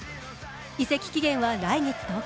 移籍期限は来月１０日。